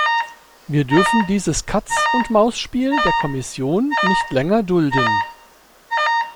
Wir dürfen dieses Katzund Mausspiel der Kommission nicht länger dulden!